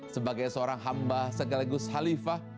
sebagai seorang hamba segala gus halimu